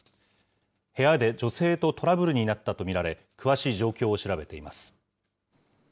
部屋で女性とトラブルになったと見られ、詳しい状況を調べています。